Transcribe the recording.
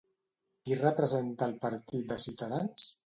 Qui representa el partit de Ciutadans?